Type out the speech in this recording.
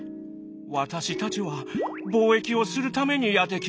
「私たちは貿易をするためにやって来ました」。